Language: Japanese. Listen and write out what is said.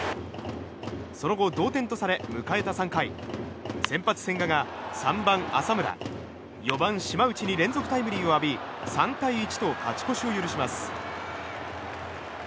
その後、同点とされ迎えた３回先発千賀が３番浅村、４番島内に連続タイムリーを浴び３対１と勝ち越しを許します。